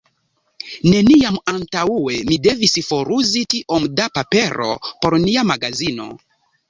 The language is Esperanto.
Neniam antaŭe mi devis foruzi tiom da papero por nia magazino.